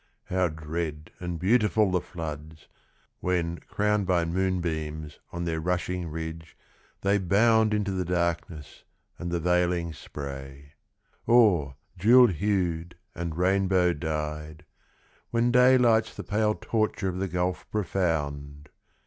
How dread and beautiful the floods, when, crowned By moonbeams on their rushing ridge, they bound Into the darkness and the veiling spray; Or, jewel hued and rainbow dyed, when day Lights the pale torture of the gulf profound!